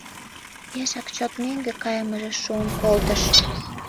Пешак чот мӧҥгӧ кайымыже шуын колтыш.